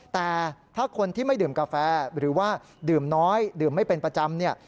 แต่ถ้าคนที่ไม่ดื่มกาแฟหรือว่าดื่มน้อยดื่มไม่เป็นประจำเนี่ย